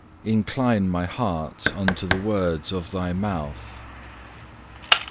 Incline my heart unto the words of Thy mouth.